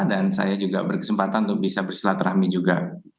dan saya juga berkesempatan untuk bisa bersilat rahmi juga